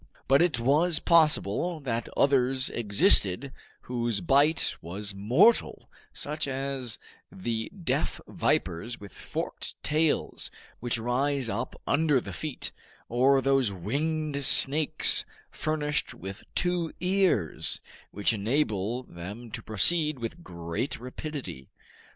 But it was possible that others existed whose bite was mortal such as the deaf vipers with forked tails, which rise up under the feet, or those winged snakes, furnished with two ears, which enable them to proceed with great rapidity.